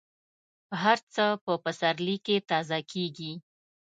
هر څه په پسرلي کې تازه کېږي.